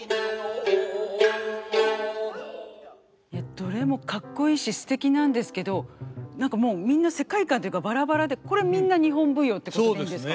どれもかっこいいしすてきなんですけど何かもうみんな世界観というかバラバラでこれみんな日本舞踊ってことでいいんですか？